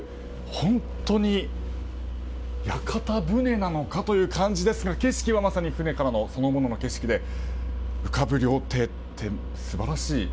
本当に屋形船なのかという感じですが景色はまさに船そのものからの景色で浮かぶ料亭って、素晴らしい。